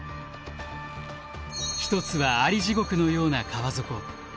一つは蟻地獄のような川底。